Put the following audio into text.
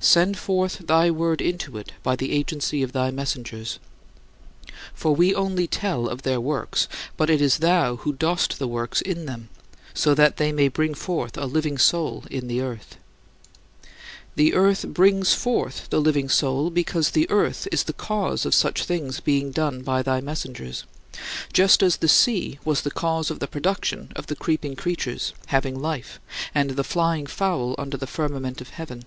Send forth thy word into it by the agency of thy messengers. For we only tell of their works, but it is thou who dost the works in them, so that they may bring forth "a living soul" in the earth. The earth brings forth "the living soul" because "the earth" is the cause of such things being done by thy messengers, just as the sea was the cause of the production of the creeping creatures having life and the flying fowl under the firmament of heaven.